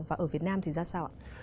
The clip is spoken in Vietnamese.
và ở việt nam thì ra sao